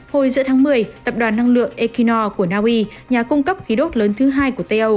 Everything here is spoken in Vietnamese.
hồi giữa tháng một mươi tập đoàn năng lượng ekina của naui nhà cung cấp khí đốt lớn thứ hai của tây âu